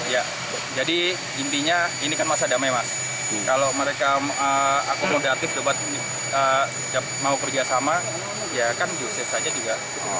iya jadi intinya ini kan masa damai mas kalau mereka akomodatif mau kerja sama ya kan usir saja juga